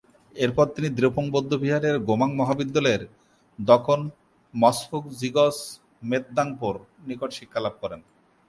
এরপর তিনি দ্রেপুং বৌদ্ধবিহারের গোমাং মহাবিদ্যালয়ে দ্কোন-ম্ছোগ-'জিগ্স-মেদ-দ্বাং-পোর নিকট শিক্ষালাভ করেন।